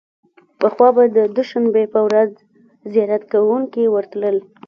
پخوا به د دوشنبې په ورځ زیارت کوونکي ورتلل.